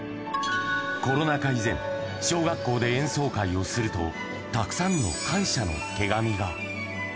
コロナ禍以前、小学校で演奏会をすると、たくさんの感謝の手紙が。